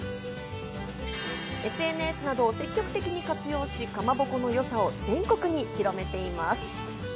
ＳＮＳなどを積極的に活用し、かまぼこの良さを全国に広めています。